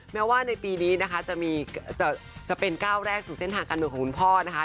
แม้ว่าในปีนี้นะคะจะเป็นก้าวแรกสู่เส้นทางการเงินของคุณพ่อนะคะ